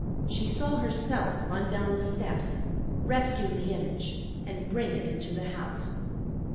She saw herself run down the steps, rescue the image, and bring it into the house.